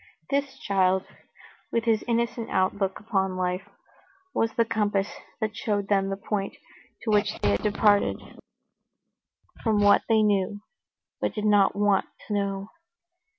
This child, with his innocent outlook upon life, was the compass that showed them the point to which they had departed from what they knew, but did not want to know.